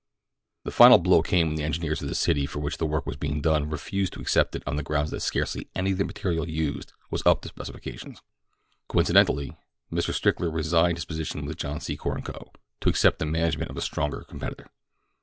The final blow came when the engineers of the city for which the work was being done refused to accept it on the grounds that scarcely any of the material used was up to specifications. Coincidentally Mr. Stickler resigned his position with John Secor & Co., to accept the management of a stronger competitor.